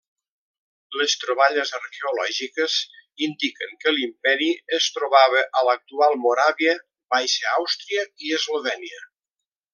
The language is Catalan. Les troballes arqueològiques indiquen que l'imperi es trobava a l'actual Moràvia, Baixa Àustria i Eslovènia.